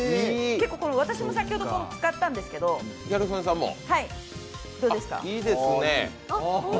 私も使ったんですけどどうですか。